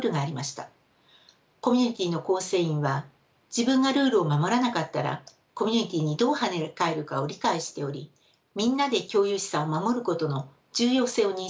コミュニティーの構成員は自分がルールを守らなかったらコミュニティーにどうはね返るかを理解しておりみんなで共有資産を守ることの重要性を認識していました。